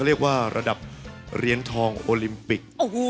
เป็นระดับของเรียนทองโอลิมปิก